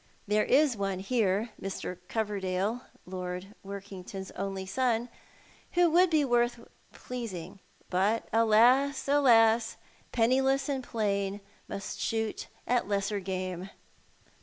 There is one here, Mr. Coverdale, Lord Workington's only son, who would be well worth pleasing — but, alas, alas, penniless and plain must shoot at lesser game.